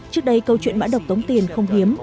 trước đây câu chuyện mã độc tống tiền không hiếm